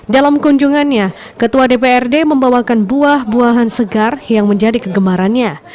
dalam kunjungannya ketua dprd membawakan buah buahan segar yang menjadi kegemarannya